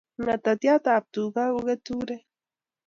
Ngetetiat ab tuga ko keturek